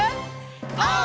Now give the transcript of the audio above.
オー！